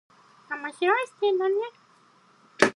面白い視点だね。